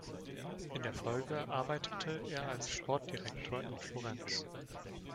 In der Folge arbeitete er als Sportdirektor in Florenz.